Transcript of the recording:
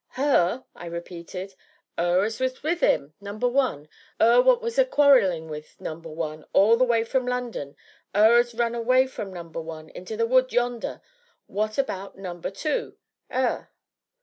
"Her!" I repeated. "'Er as was with 'im Number One 'er what was a quarrelling wi' Number One all the way from London 'er as run away from Number One into the wood, yonder, what about Number Two 'er?"